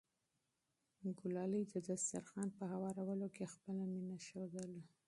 ګلالۍ د دسترخوان په هوارولو کې خپله مینه ښودله.